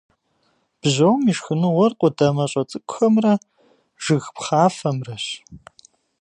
Бжьом и шхыныгъуэр къудамэщӏэ цӏыкӏухэмрэ жыг пхъафэмрэщ.